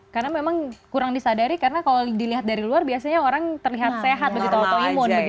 karena memang kurang disadari karena kalau dilihat dari luar biasanya orang terlihat sehat begitu autoimun